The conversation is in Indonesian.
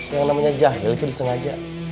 yang namanya jahil itu disengaja